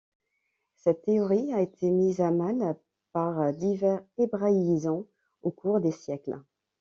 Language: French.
Cette théorie a été mise à mal par divers hébraïsants au cours des siècles.